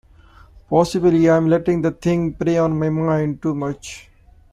Possibly I am letting the thing prey on my mind too much.